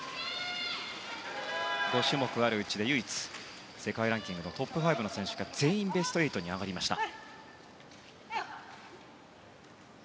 ５種目あるうちで唯一世界ランキングトップ５の選手が全員ベスト８に上がりました。